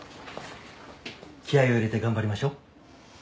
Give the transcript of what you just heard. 気合を入れて頑張りましょう。